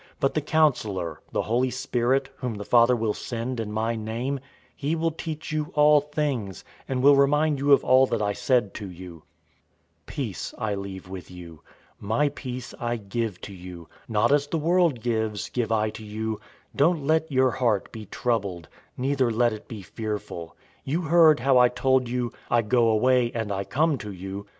014:026 But the Counselor, the Holy Spirit, whom the Father will send in my name, he will teach you all things, and will remind you of all that I said to you. 014:027 Peace I leave with you. My peace I give to you; not as the world gives, give I to you. Don't let your heart be troubled, neither let it be fearful. 014:028 You heard how I told you, 'I go away, and I come to you.'